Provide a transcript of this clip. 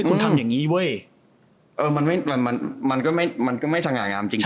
เขาน